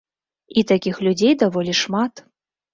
І такіх людзей даволі шмат.